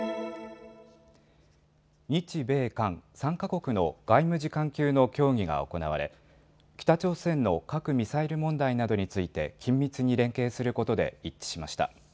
日米韓３か国の外務次官級の協議が行われ北朝鮮の核・ミサイル問題などについて緊密に連携することで一致しました。